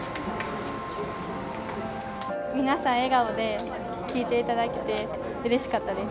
皆さん、笑顔で聞いていただけてうれしかったです。